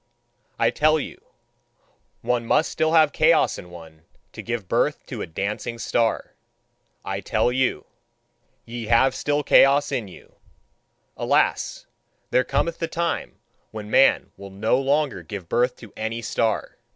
I tell you: one must still have chaos in one, to give birth to a dancing star. I tell you: ye have still chaos in you. Alas! There cometh the time when man will no longer give birth to any star.